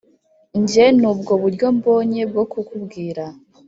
njye nibwo buryo mbonye bwo kukubwira,